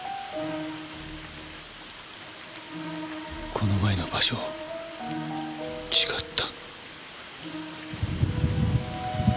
この前の場所違った